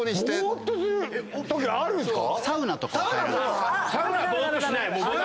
ぼーっとするときあるんですか？